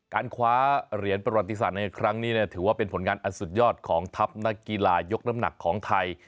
การคว้าเหรียญประวัติศาสตร์ในครั้งนี้ถือว่าเป็นผลงานอันสุดยอดของทัพนักกีฬายกน้ำหนักของไทย